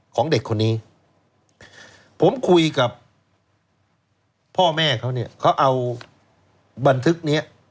ของเด็กคนนี้ผมคุยกับพ่อแม่เขาเนี่ยเขาเอาบันทึกนี้